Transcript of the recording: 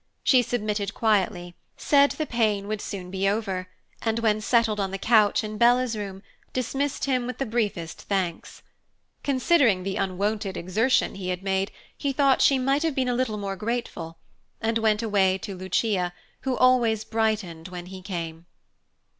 She submitted quietly, said the pain would soon be over, and when settled on the couch in Bella's room dismissed him with the briefest thanks. Considering the unwonted exertion he had made, he thought she might have been a little more grateful, and went away to Lucia, who always brightened when he came.